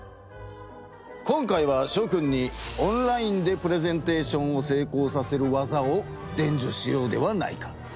今回はしょくんにオンラインでプレゼンテーションをせいこうさせる技をでんじゅしようではないか。